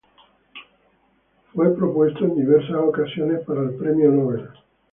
Fue propuesto en diversas ocasiones para el Premio Nobel.